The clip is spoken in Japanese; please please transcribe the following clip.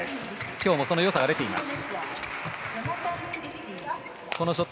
今日もその良さが出ています。